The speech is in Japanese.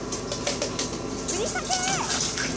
ふりかけ！